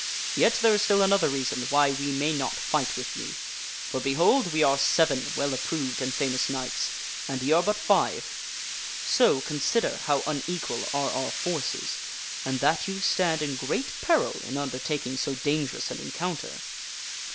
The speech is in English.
Yet, there is still another reason why we may not fight with ye. For, behold ! we are seven well approved and famous knights, and ye are but five ; so, con 128 THE WINNING OF A QUEEN sider how unequal are our forces, and that you stand in great peril in un~ dertaking so dangerous an encounter."